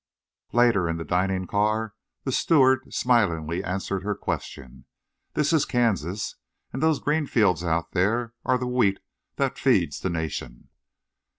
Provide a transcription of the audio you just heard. Later, in the dining car, the steward smilingly answered her question: "This is Kansas, and those green fields out there are the wheat that feeds the nation."